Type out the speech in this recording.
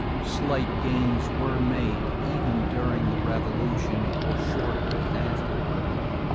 Slight gains were made even during the Revolution or shortly afterward.